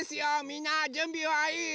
みんなじゅんびはいい？